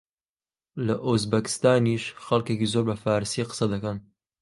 لە ئوزبەکستانیش خەڵکێکی زۆر بە فارسی قسە دەکەن